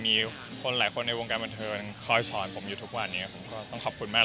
มาหากหลายคนในวงการประเทินคอยสอนผมนี้เค้าก็ต้องคบคุณมาก